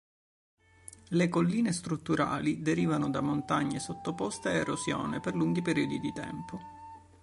Le "colline strutturali" derivano da montagne sottoposte a erosione per lunghi periodi di tempo.